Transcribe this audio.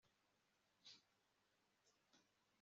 uwifuza icyo azabona aravuga ngo icyampa ngapfa